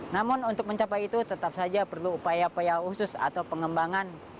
namun untuk mencapai itu tetap saja perlu upaya upaya khusus atau pengembangan